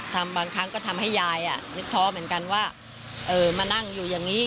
บางครั้งก็ทำให้ยายนึกท้อเหมือนกันว่ามานั่งอยู่อย่างนี้